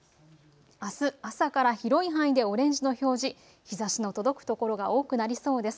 あす朝から広い範囲でオレンジの表示、日ざしの届く所が多くなりそうです。